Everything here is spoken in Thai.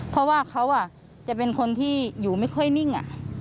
เพราะว่าเขาจะเป็นคนที่อยู่ไม่ค่อยนิ่ง